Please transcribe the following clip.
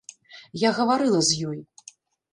Я гаварыла з ёй.